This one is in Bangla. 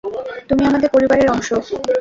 তুমি আমাদের পরিবারের অংশ।